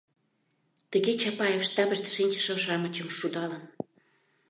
Тыге Чапаев штабыште шинчыше-шамычым шудалын...